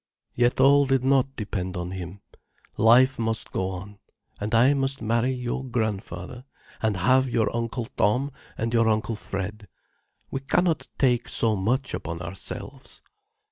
Yet all did not depend on him. Life must go on, and I must marry your grandfather, and have your Uncle Tom, and your Uncle Fred. We cannot take so much upon ourselves."